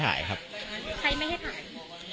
กลุ่มวัยรุ่นกลัวว่าจะไม่ได้รับความเป็นธรรมทางด้านคดีจะคืบหน้า